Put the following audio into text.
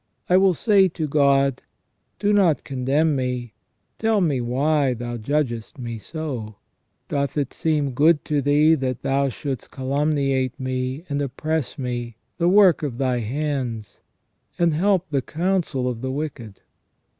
I will say to God : Do not condemn me \ tell me why Thou judgest me so ? Doth it seem good to Thee that Thou shouldst calumniate me, and oppress me, the work of Thy hands, and help the counsel of the wicked?"